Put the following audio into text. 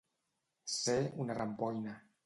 Ser una rampoina.